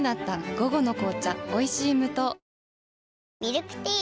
午後の紅茶おいしい無糖ミルクティー